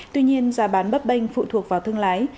tuy nhiên giá bán bấp bênh phụ thuộc vào thương lái